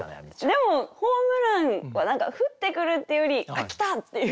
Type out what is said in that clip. でもホームランは何か降ってくるっていうより「あっ来た！」っていう。